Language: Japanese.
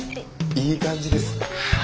いい感じです。